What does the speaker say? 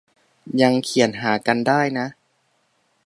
ยังเขียนหากันได้นะ